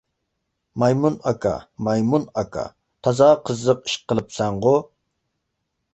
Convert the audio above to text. مايمۇن ئاكا، مايمۇن ئاكا، تازا قىزىق ئىش قىلىپسەنغۇ!